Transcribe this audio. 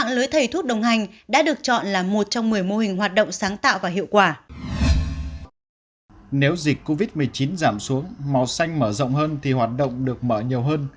nếu dịch covid một mươi chín giảm xuống màu xanh mở rộng hơn thì hoạt động được mở nhiều hơn